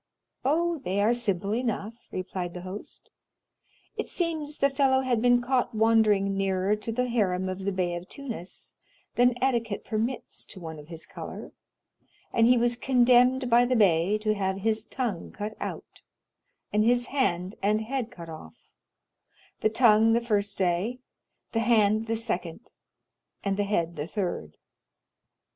20081m "Oh, they are simple enough," replied the host. "It seems the fellow had been caught wandering nearer to the harem of the Bey of Tunis than etiquette permits to one of his color, and he was condemned by the Bey to have his tongue cut out, and his hand and head cut off; the tongue the first day, the hand the second, and the head the third.